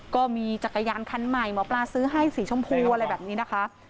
ก็มีจักรยานคันใหม่หมอปลาซื้อให้สีชมพูอะไรแบบนี้นะคะ